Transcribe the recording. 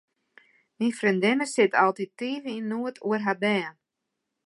Myn freondinne sit altiten tige yn noed oer har bern.